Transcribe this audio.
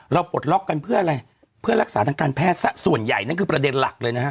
ปลดล็อกกันเพื่ออะไรเพื่อรักษาทางการแพทย์ซะส่วนใหญ่นั่นคือประเด็นหลักเลยนะฮะ